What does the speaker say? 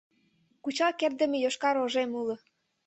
Кучал кертдыме йошкар ожем уло